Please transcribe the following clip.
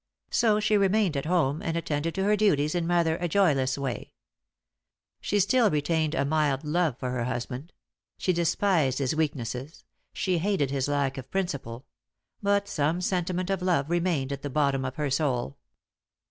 So she remained at home and attended to her duties in rather a joyless way. She still retained a mild love for her husband; she despised his weaknesses; she hated his lack of principle; but some sentiment of love remained at the bottom of her soul.